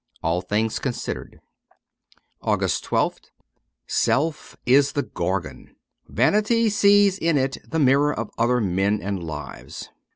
'All Things Considered.' 249 AUGUST 1 2th SELF is the Gorgon. Vanity sees it in the mirror of other men and lives.